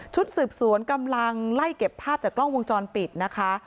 สืบสวนกำลังไล่เก็บภาพจากกล้องวงจรปิดนะคะ